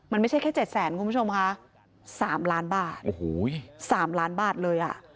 มันไม่ใช่แค่เจ็ดแสนคุณผู้ชมค่ะสามล้านบาทโอ้โห๓ล้านบาทเลยอ่ะ